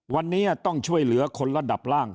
วันนี้ต้องช่วยเหลือคนระดับล่าง